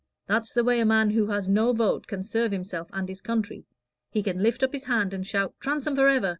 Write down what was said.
That's the way a man who has no vote can serve himself and his country; he can lift up his hand and shout 'Transome forever!'